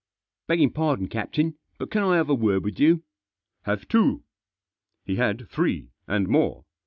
"Beggin' pardon, captin, but can I have a word with you ?"" Have two." He had three— and more.